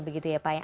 begitu ya pak